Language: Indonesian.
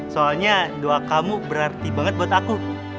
soalnya doa kamu berarti banget buat aku